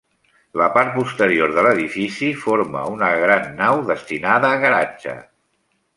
La part posterior de l'edifici forma una gran nau destinada a garatge.